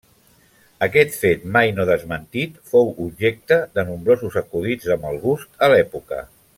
Aquest fet, mai no desmentit, fou objecte de nombrosos acudits de mal gust a l'època.